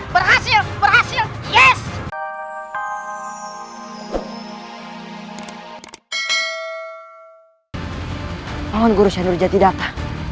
pohon guru shandor jatidata